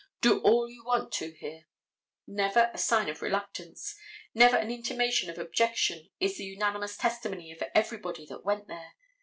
Do all you want to here. Never a sign of reluctance. Never an intimation of objection is the unanimous testimony of everybody that went there.